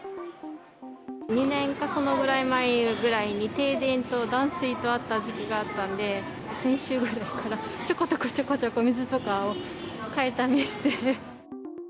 ２年かそのぐらい前ぐらいに、停電と断水とあった時期があったんで、先週ぐらいからちょこちょこちょこちょこ水とかを買いだめして。